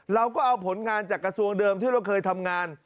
เราก็เอาผลงานจากกระทรวงเดิมที่เราเคยทำงาน